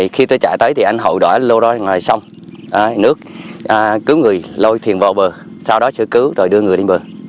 khi tôi chạy tới thì anh hội đoán lô đó là sông nước cứu người lôi thuyền vào bờ sau đó sơ cứu rồi đưa người lên bờ